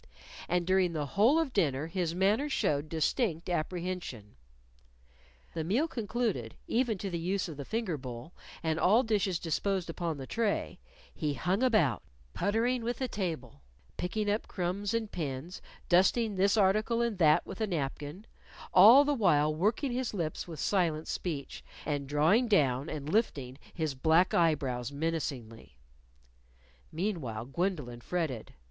And during the whole of the dinner his manner showed distinct apprehension. The meal concluded, even to the use of the finger bowl, and all dishes disposed upon the tray, he hung about, puttering with the table, picking up crumbs and pins, dusting this article and that with a napkin, all the while working his lips with silent speech, and drawing down and lifting his black eye brows menacingly. Meanwhile, Gwendolyn fretted.